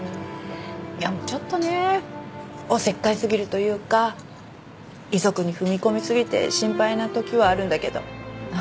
ちょっとねおせっかいすぎるというか遺族に踏み込みすぎて心配な時はあるんだけど。